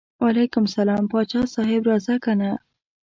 وعلیکم السلام پاچا صاحب راځه کنه.